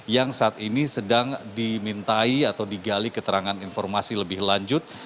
yang saat ini sedang dimintai atau digali keterangan informasi lebih lanjut